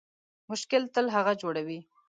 مشکل تل هغه جوړوي